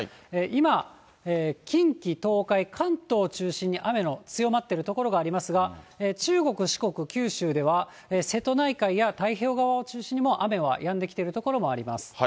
今、近畿、東海、関東を中心に雨の強まっている所がありますが、中国、四国、九州では、瀬戸内海や太平洋側を中心に、もう雨はやんできている所もありま